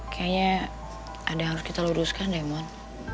kayaknya ada yang harus kita luruskan deh mon